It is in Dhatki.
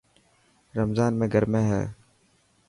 رمضان ۾ گرمي هي.